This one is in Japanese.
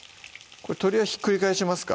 鶏はひっくり返しますか？